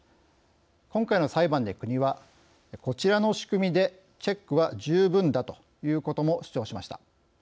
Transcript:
今回の裁判で、国はこちらの仕組みでチェックは十分だということも主張しました。